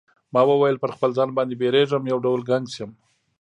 ما وویل پر خپل ځان باندی بیریږم یو ډول ګنګس یم.